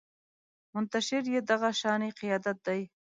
منتشر يې دغه شانې قیادت دی